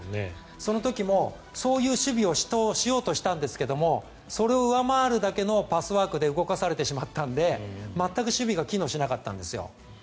その時もそういう守備をしようとしたんですがそれを上回るだけのパスワークで動かされてしまったんで全く守備が機能しなかったんですよ。